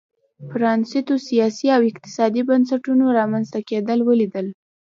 پرانیستو سیاسي او اقتصادي بنسټونو رامنځته کېدل ولیدل.